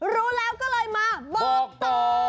รู้แล้วก็เลยมาบอกต่อ